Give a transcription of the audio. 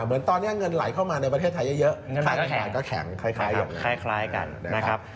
เหมือนตอนนี้เงินไหลเข้ามาในประเทศไทยเยอะแข็งก็แข็งคล้ายกัน